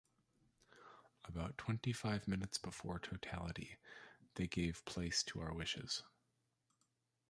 About twenty-five minutes before totality they gave place to our wishes.